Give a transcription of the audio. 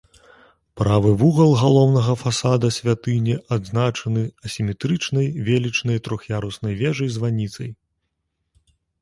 Правы вугал галоўнага фасада святыні адзначаны асіметрычнай велічнай трох'яруснай вежай-званіцай.